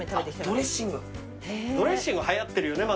ドレッシングはやってるよね